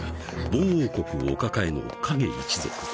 ［ボー王国お抱えの影一族］